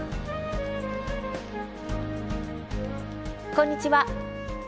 こんにちは。